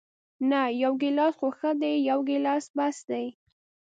نه، یو ګیلاس خو ښه دی، یو ګیلاس بس دی.